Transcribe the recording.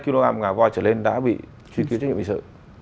thì từ hai kg ngà voi trở lên đã bị truy kiếm chứng nhận bình sự